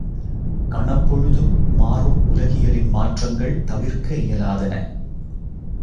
கணப் பொழுதும் மாறும் உலகியலின் மாற்றங்கள் தவிர்க்க இயலாதன.